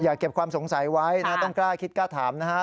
เก็บความสงสัยไว้นะต้องกล้าคิดกล้าถามนะฮะ